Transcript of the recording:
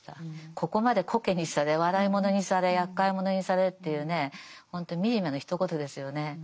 ここまでコケにされ笑い者にされやっかい者にされっていうねほんと惨めのひと言ですよね。